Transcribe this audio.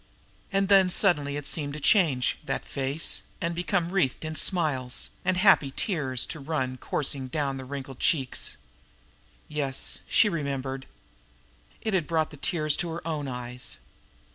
And then suddenly it seemed to change, that face, and become wreathed in smiles, and happy tears to run coursing down the wrinkled cheeks. Yes, she remembered! It had brought the tears to her own eyes.